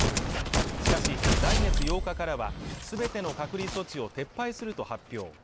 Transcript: しかし来月８日からはすべての隔離措置を撤廃すると発表